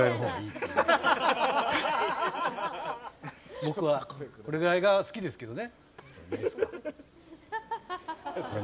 僕は、これぐらいが好きですけどね。